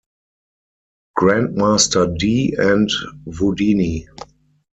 Grandmaster D, and Whodini.